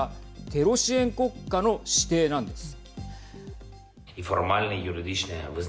テロ支援国家の指定なんです。